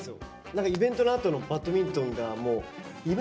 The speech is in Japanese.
何かイベントのあとのバドミントンがもう。